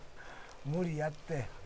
無理やって」